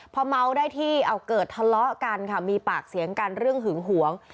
พอเมาได้ที่เอาเกิดทะเลาะกันค่ะมีปากเสียงกันเรื่องหึงหวง